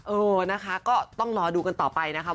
เออนะคะก็ต้องรอดูกันต่อไปนะคะ